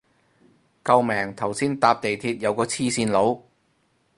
救命頭先搭地鐵有個黐線佬